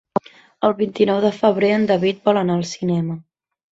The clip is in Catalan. El vint-i-nou de febrer en David vol anar al cinema.